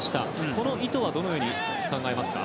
この意図はどのように考えますか？